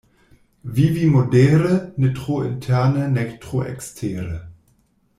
Vivi modere, ne tro interne nek tro ekstere.